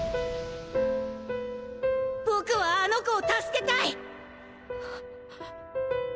僕はあの子を救けたい！